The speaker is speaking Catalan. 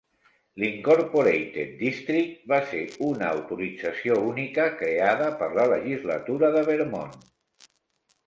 L'Incorporated District va ser una autorització única creada per la legislatura de Vermont.